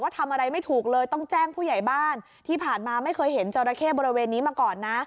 ที่ผ่านมาไม่เคยเห็นจอระเข้บริเวณนี้มาก่อนนะ